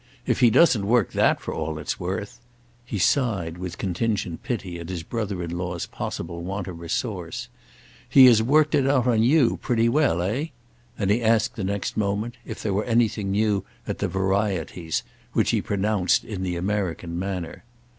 If he doesn't work that for all it's worth—!" He sighed with contingent pity at his brother in law's possible want of resource. "He has worked it on you, pretty well, eh?" and he asked the next moment if there were anything new at the Varieties, which he pronounced in the American manner.